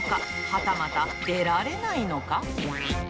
はたまた出られないのか？